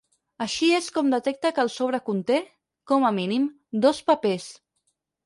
Així és com detecta que el sobre conté, com a mínim, dos papers.